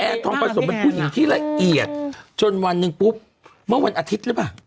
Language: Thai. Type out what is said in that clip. แอนทองประสงค์เป็นผู้หญิงที่ละเอียดจนวันหนึ่งปุ๊บเมื่อวันอาทิตย์ไรบะ